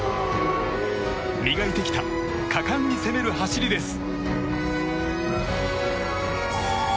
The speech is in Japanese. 磨いてきた果敢に攻める走りです。